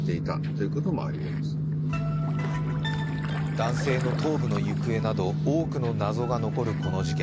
男性の頭部の行方など多くの謎が残る事件。